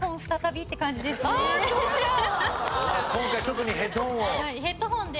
今回特にヘッドホンを。